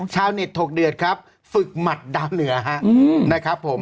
ชาวเน็ตถกเดือดครับฝึกหมัดดาวเหนือนะครับผม